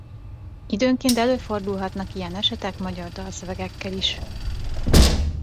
Időnként előfordulhatnak ilyen esetek magyar dalszövegekkel is.